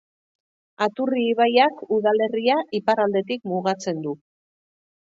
Aturri ibaiak udalerria iparraldetik mugatzen du.